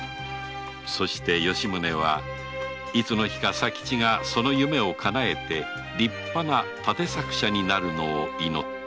そして吉宗はいつの日か左吉がその夢をかなえて立派な立作者になるのを祈った